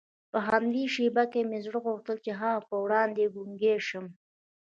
په همدې شېبه کې مې زړه غوښتل د هغه په وړاندې په ګونډو شم.